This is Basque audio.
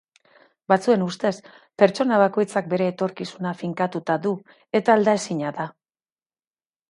Batzuen ustez, pertsona bakoitzak bere etorkizuna finkatuta du, eta aldaezina da.